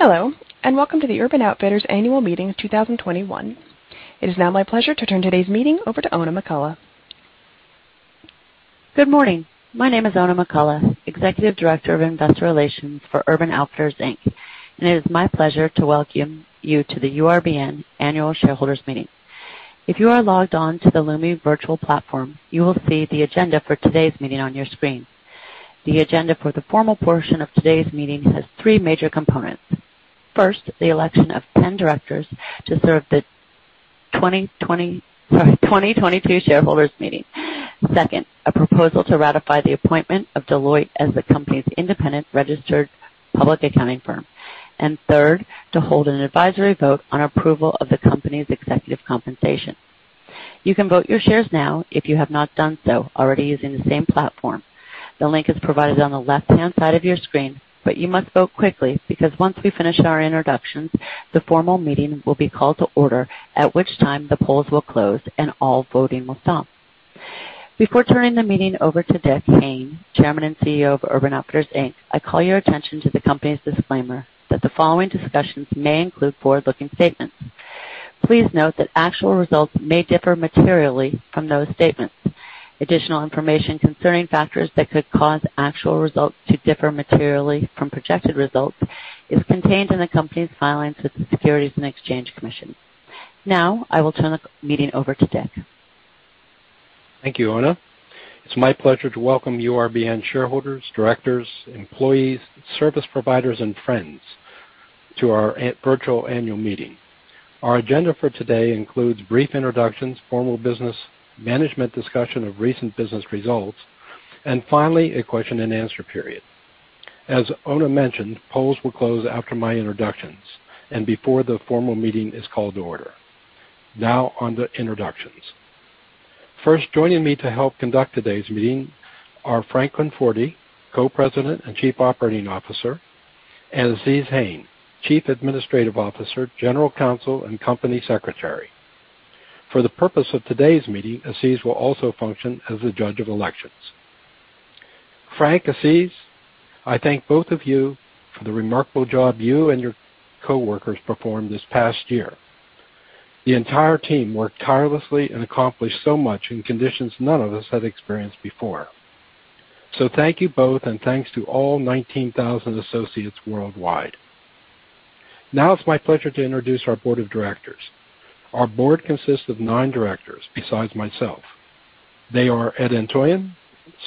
Hello, and welcome to the Urban Outfitters annual meeting of 2021. It is now my pleasure to turn today's meeting over to Oona McCullough. Good morning. My name is Oona McCullough, Executive Director of Investor Relations for Urban Outfitters, Inc. It is my pleasure to welcome you to the URBN Annual Shareholders Meeting. If you are logged on to the Lumi Virtual Platform, you will see the agenda for today's meeting on your screen. The agenda for the formal portion of today's meeting has three major components. First, the election of 10 directors to serve the 2022 shareholders meeting. Second, a proposal to ratify the appointment of Deloitte as the company's independent registered public accounting firm. Third, to hold an advisory vote on approval of the company's executive compensation. You can vote your shares now if you have not done so already using the same platform. The link is provided on the left-hand side of your screen, but you must vote quickly because once we finish our introductions, the formal meeting will be called to order, at which time the polls will close and all voting will stop. Before turning the meeting over to Dick Hayne, Chairman and CEO of Urban Outfitters Inc., I call your attention to the company's disclaimer that the following discussions may include forward-looking statements. Please note that actual results may differ materially from those statements. Additional information concerning factors that could cause actual results to differ materially from projected results is contained in the company's filings with the Securities and Exchange Commission. I will turn the meeting over to Dick. Thank you, Oona. It's my pleasure to welcome URBN shareholders, directors, employees, service providers, and friends to our virtual annual meeting. Our agenda for today includes brief introductions, formal business management discussion of recent business results, and finally, a question and answer period. As Oona mentioned, polls will close after my introductions and before the formal meeting is called to order. Now on to introductions. First, joining me to help conduct today's meeting are Frank Conforti, Co-President and Chief Operating Officer, and Azeez Hayne, Chief Administrative Officer, General Counsel, and Company Secretary. For the purpose of today's meeting, Azeez will also function as the Judge of Elections. Frank, Azeez, I thank both of you for the remarkable job you and your coworkers performed this past year. The entire team worked tirelessly and accomplished so much in conditions none of us had experienced before. Thank you both, and thanks to all 19,000 associates worldwide. Now it's my pleasure to introduce our board of directors. Our board consists of nine directors besides myself. They are Edward Antoian,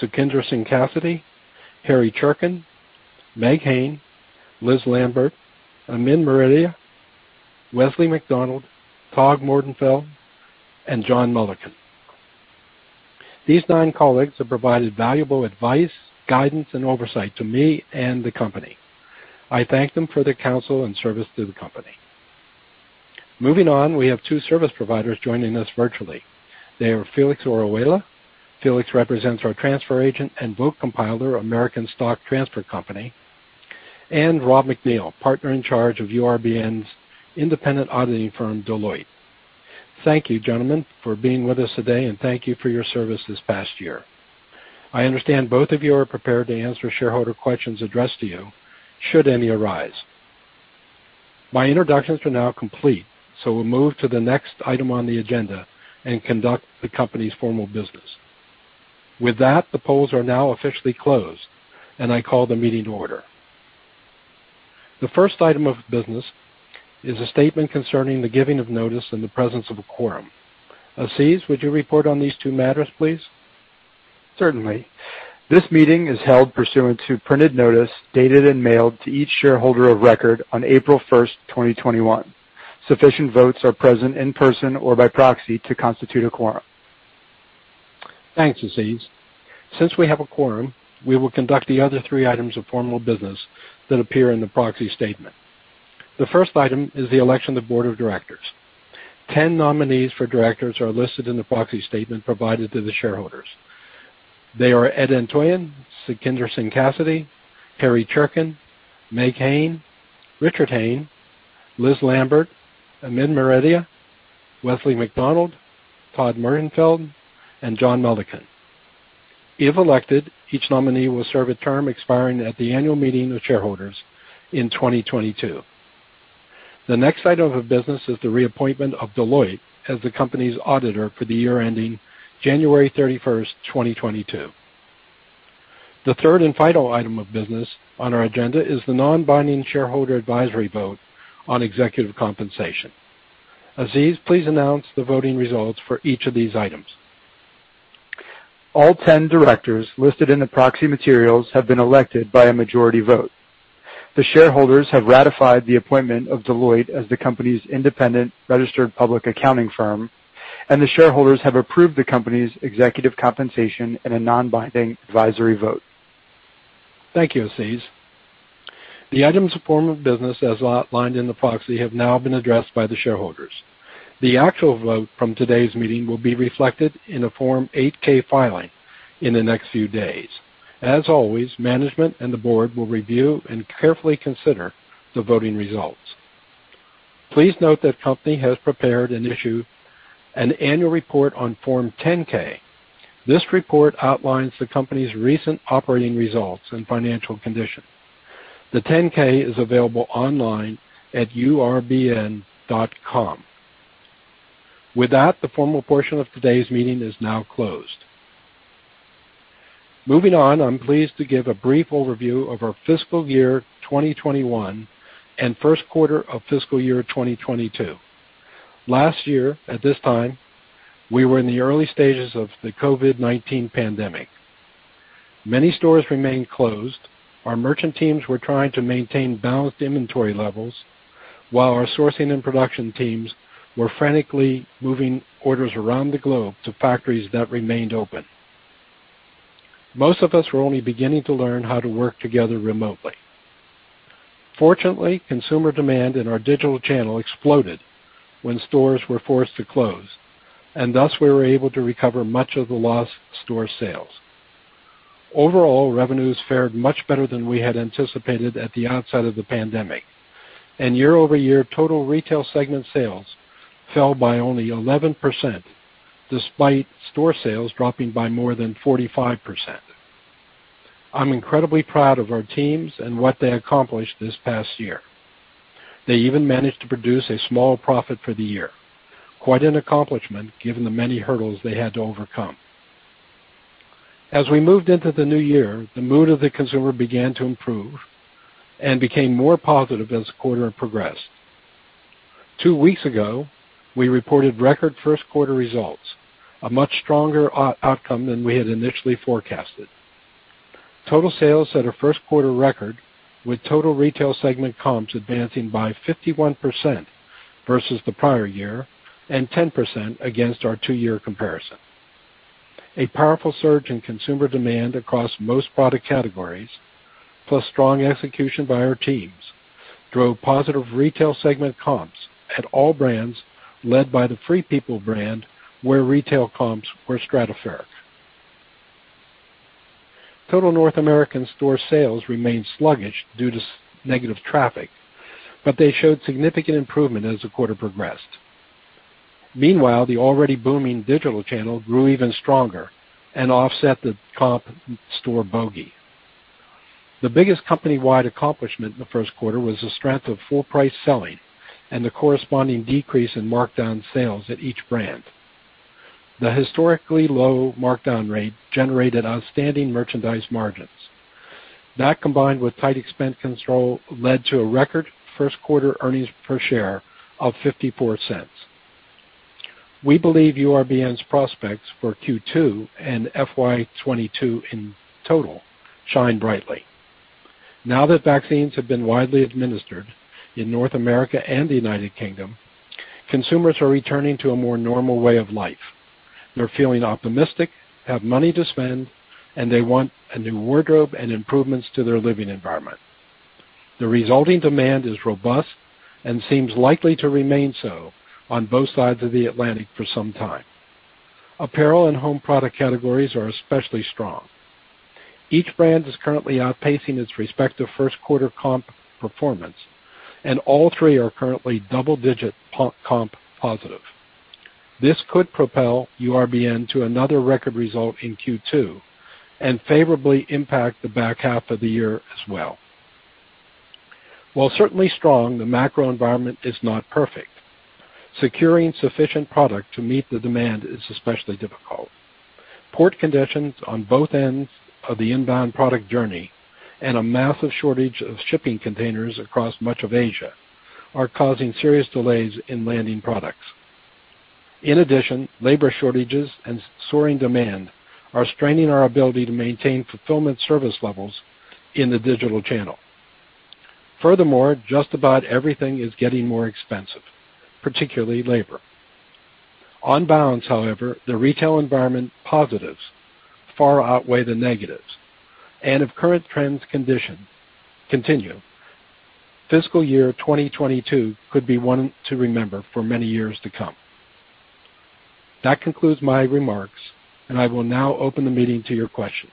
Sukhinder Singh Cassidy, Harry Cherken, Meg Hayne, Liz Lambert, Amin Maredia, Wesley McDonald, Todd Morgenfeld, and John Mulliken. These nine colleagues have provided valuable advice, guidance, and oversight to me and the company. I thank them for their counsel and service to the company. Moving on, we have two service providers joining us virtually. They are Felix Orihuela. Felix represents our transfer agent and book compiler, American Stock Transfer & Trust Company. Robert McNeill, partner in charge of URBN's independent auditing firm, Deloitte. Thank you, gentlemen, for being with us today, and thank you for your service this past year. I understand both of you are prepared to answer shareholder questions addressed to you should any arise. My introductions are now complete, so we'll move to the next item on the agenda and conduct the company's formal business. With that, the polls are now officially closed, and I call the meeting to order. The first item of business is a statement concerning the giving of notice in the presence of a quorum. Azeez, would you report on these two matters, please? Certainly. This meeting is held pursuant to printed notice, dated and mailed to each shareholder of record on 1st April, 2021. Sufficient votes are present in person or by proxy to constitute a quorum. Thanks, Azeez. Since we have a quorum, we will conduct the other three items of formal business that appear in the proxy statement. The first item is the election of the board of directors. 10 nominees for directors are listed in the proxy statement provided to the shareholders. They are Edward Antoian, Sukhinder Singh Cassidy, Harry Cherken, Meg Hayne, Richard Hayne, Liz Lambert, Amin Maredia, Wesley McDonald, Todd Morgenfeld, and John Mulliken. If elected, each nominee will serve a term expiring at the annual meeting of shareholders in 2022. The next item of business is the reappointment of Deloitte as the company's auditor for the year ending 31 January, 2022. The third and final item of business on our agenda is the non-binding shareholder advisory vote on executive compensation. Azeez Hayne, please announce the voting results for each of these items. All 10 directors listed in the proxy materials have been elected by a majority vote. The shareholders have ratified the appointment of Deloitte as the company's independent registered public accounting firm. The shareholders have approved the company's executive compensation in a non-binding advisory vote. Thank you, Azeez. The items of formal business as outlined in the proxy have now been addressed by the shareholders. The actual vote from today's meeting will be reflected in a Form 8-K filing in the next few days. As always, management and the board will review and carefully consider the voting results. Please note that company has prepared and issued an annual report on Form 10-K. This report outlines the company's recent operating results and financial condition. The 10-K is available online at urbn.com. With that, the formal portion of today's meeting is now closed. Moving on, I'm pleased to give a brief overview of our Fiscal Year 2021 and first quarter of Fiscal Year 2022. Last year, at this time, we were in the early stages of the COVID-19 pandemic. Many stores remained closed. Our merchant teams were trying to maintain balanced inventory levels, while our sourcing and production teams were frantically moving orders around the globe to factories that remained open. Most of us were only beginning to learn how to work together remotely. Fortunately, consumer demand in our digital channel exploded when stores were forced to close, and thus we were able to recover much of the lost store sales. Overall, revenues fared much better than we had anticipated at the onset of the pandemic. Year-over-year total retail segment sales fell by only 11%, despite store sales dropping by more than 45%. I'm incredibly proud of our teams and what they accomplished this past year. They even managed to produce a small profit for the year. Quite an accomplishment, given the many hurdles they had to overcome. As we moved into the new year, the mood of the consumer began to improve and became more positive as the quarter progressed. Two weeks ago, we reported record first quarter results, a much stronger outcome than we had initially forecasted. Total sales set a first quarter record with total retail segment comps advancing by 51% versus the prior year, and 10% against our two-year comparison. A powerful surge in consumer demand across most product categories, plus strong execution by our teams, drove positive retail segment comps at all brands led by the Free People brand, where retail comps were stratospheric. Total North American store sales remained sluggish due to negative traffic, but they showed significant improvement as the quarter progressed. Meanwhile, the already booming digital channel grew even stronger and offset the comp store bogey. The biggest company-wide accomplishment in the first quarter was the strength of full price selling and the corresponding decrease in markdown sales at each brand. The historically low markdown rate generated outstanding merchandise margins. That, combined with tight expense control, led to a record first quarter earnings per share of $0.54. We believe URBN's prospects for Q2 and FY2022 in total shine brightly. Now that vaccines have been widely administered in North America and the U.K., consumers are returning to a more normal way of life. They're feeling optimistic, have money to spend, and they want a new wardrobe and improvements to their living environment. The resulting demand is robust and seems likely to remain so on both sides of the Atlantic for some time. Apparel and home product categories are especially strong. Each brand is currently outpacing its respective first quarter comp performance, and all three are currently double-digit comp positive. This could propel URBN to another record result in Q2 and favorably impact the back half of the year as well. While certainly strong, the macro environment is not perfect. Securing sufficient product to meet the demand is especially difficult. Port conditions on both ends of the inbound product journey and a massive shortage of shipping containers across much of Asia are causing serious delays in landing products. In addition, labor shortages and soaring demand are straining our ability to maintain fulfillment service levels in the digital channel. Furthermore, just about everything is getting more expensive, particularly labor. On balance, however, the retail environment positives far outweigh the negatives. If current trends continue, Fiscal Year 2022 could be one to remember for many years to come. That concludes my remarks, and I will now open the meeting to your questions.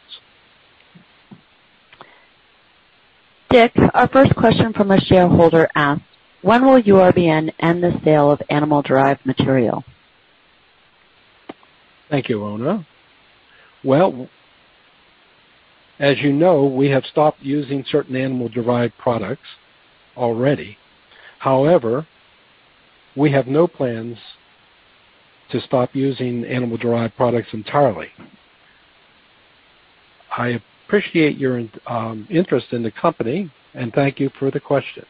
Dick, our first question from a shareholder asks, when will URBN end the sale of animal-derived material? Thank you, Oona. As you know, we have stopped using certain animal-derived products already. We have no plans to stop using animal-derived products entirely. I appreciate your interest in the company, and thank you for the question.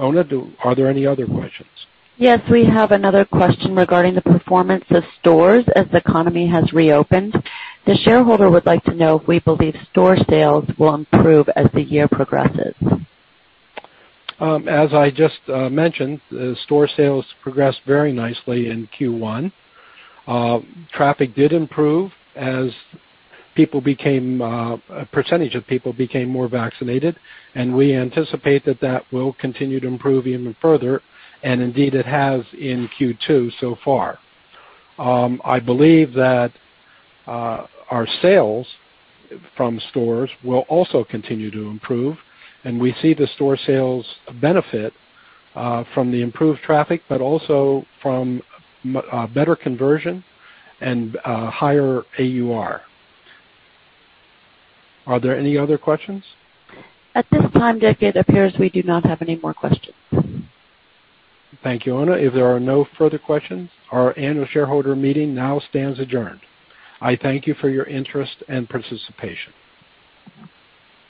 Oona, are there any other questions? Yes. We have another question regarding the performance of stores as the economy has reopened. The shareholder would like to know if we believe store sales will improve as the year progresses. As I just mentioned, the store sales progressed very nicely in Q1. Traffic did improve as a percentage of people became more vaccinated, and we anticipate that that will continue to improve even further, and indeed it has in Q2 so far. I believe that our sales from stores will also continue to improve, and we see the store sales benefit from the improved traffic, but also from better conversion and higher AUR. Are there any other questions? At this time, Dick, it appears we do not have any more questions. Thank you, Oona. If there are no further questions, our annual shareholder meeting now stands adjourned. I thank you for your interest and participation.